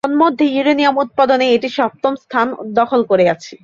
তন্মধ্যে ইউরেনিয়াম উৎপাদনে এটি সপ্তম স্থান দখল করে আছে।